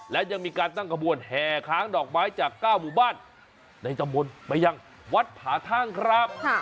และยังมีการตั้งกระบวนแห่ค้างดอกไม้จาก๙หมู่บ้านในตำบลไปยังวัดผาท่างครับ